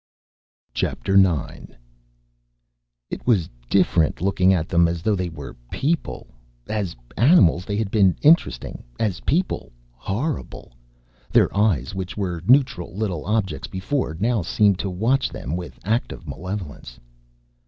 IX It was different, looking at them as though they were "people." As animals, they had been interesting; as "people," horrible. Their eyes, which were neutral little objects before, now seemed to watch them with active malevolence.